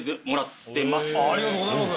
ありがとうございます。